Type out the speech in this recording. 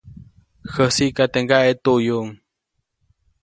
Jäsiʼka, teʼ ŋgaʼe tuʼyuʼuŋ.